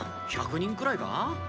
１００人くらいか？